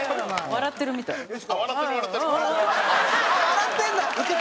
笑ってるんだ！